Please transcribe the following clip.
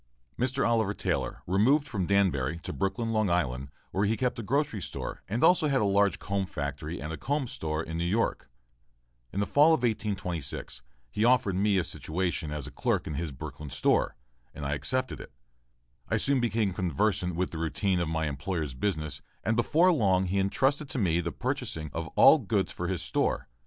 Mr. Oliver Taylor removed from Danbury to Brooklyn, Long Island, where he kept a grocery store and also had a large comb factory and a comb store in New York. In the fall of 1826 he offered me a situation as clerk in his Brooklyn store, and I accepted it. I soon became conversant with the routine of my employer's business and before long he entrusted to me the purchasing of all goods for his store.